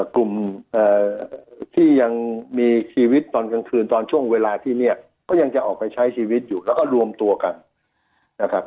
กลุ่มที่ยังมีชีวิตตอนกลางคืนตอนช่วงเวลาที่เนี่ยก็ยังจะออกไปใช้ชีวิตอยู่แล้วก็รวมตัวกันนะครับ